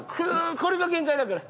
これが限界だから。